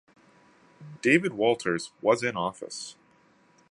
David Walters was in office.